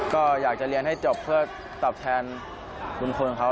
ก็อยากจะเรียนให้จบเพื่อตอบแทนบุญคุณเขา